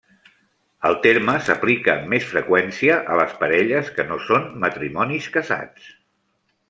El terme s'aplica amb més freqüència a les parelles que no són matrimonis casats.